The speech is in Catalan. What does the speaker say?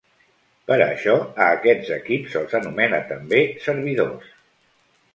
Per això a aquests equips se'ls anomena també servidors.